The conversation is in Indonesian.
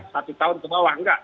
satu tahun ke bawah enggak